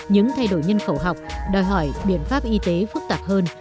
những thay đổi nhân khẩu học đòi hỏi biện pháp y tế phức tạp hơn